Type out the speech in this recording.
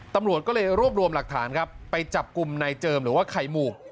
ตำรวจก็เลยรวบรวมหลักฐานครับไปจับกลุ่มนายเจิมหรือว่าไข่หมูก